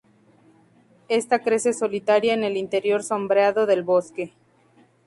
Esta crece solitaria en el interior sombreado del bosque.